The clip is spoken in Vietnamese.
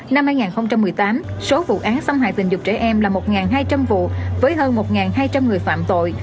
năm hai nghìn một mươi tám số vụ án xâm hại tình dục trẻ em là một hai trăm linh vụ với hơn một hai trăm linh người phạm tội